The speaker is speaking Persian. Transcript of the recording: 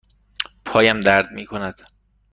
پایم درد می کند.